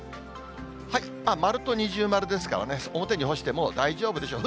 丸と二重丸ですからね、表に干しても大丈夫でしょう。